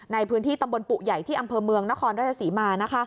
ในพื้นที่ตำบลปุใหญ่ที่อำเภอเมืองนครราชศรีมา